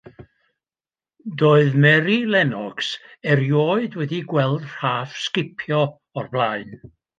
Doedd Mary Lennox erioed wedi gweld rhaff sgipio o'r blaen.